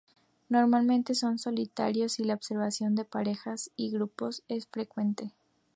Normalmente son solitarios y la observación de parejas y grupos es infrecuente.